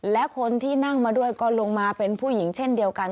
และคนที่นั่งมาด้วยก็ลงมาเป็นผู้หญิงเช่นเดียวกัน